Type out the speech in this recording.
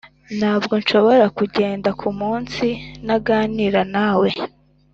ntabwo nshobora kugenda kumunsi ntaganira nawe.